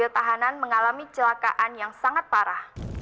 ini misialnya dulu apa